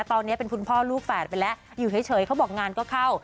ตอนนี้เป็นคุณพ่อลูกแฝดไปแล้วอยู่เฉยเขาบอกงานก็เข้า